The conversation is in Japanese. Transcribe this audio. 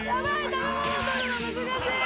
食べ物取るの難しい。